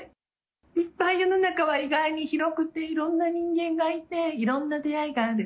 いっぱい世の中は意外に広くて、いろんな人間がいて、いろんな出会いがある。